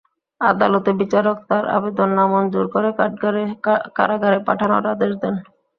আদালতের বিচারক তাঁর আবেদন নামঞ্জুর করে কারাগারে পাঠানোর আদেশ দেন।